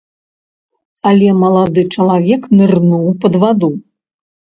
Але малады чалавек нырнуў пад ваду.